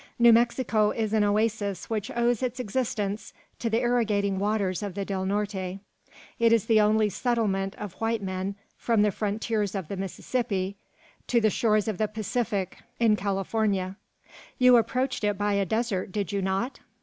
New Mexico is an oasis which owes its existence to the irrigating waters of the Del Norte. It is the only settlement of white men from the frontiers of the Mississippi to the shores of the Pacific in California. You approached it by a desert, did you not?"